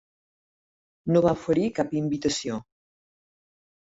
No va oferir cap invitació.